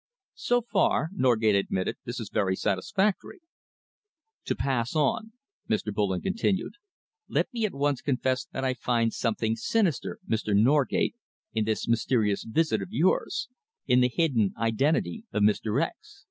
"So far," Norgate admitted, "this is very satisfactory." "To pass on," Mr. Bullen continued, "let me at once confess that I find something sinister, Mr. Norgate, in this mysterious visit of yours, in the hidden identity of Mr. X